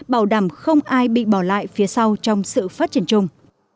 bảo đảm không ai bị bỏ lại phía sau trong sự phát triển chung